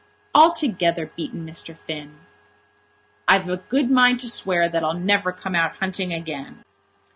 "Altogether beaten, Mr. Finn." "I've a good mind to swear that I'll never come out hunting again."